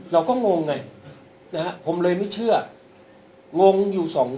เราก็งงไงนะครับผมเลยไม่เชื่องงอยู่สองวัน